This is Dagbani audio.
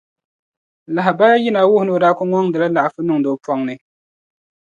Lahabaya yina wuhi ni o daa kuli ŋɔŋdila laɣ'fu niŋdi o pɔŋ'ni.